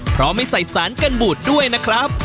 เพราะไม่ใส่สารกันบูดด้วยนะครับ